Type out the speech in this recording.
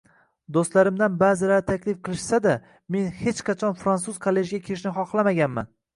Do‘stlarimdan ba’zilari taklif qilishsa-da, men hech qachon Frantsuz kollejiga kirishni xohlamaganman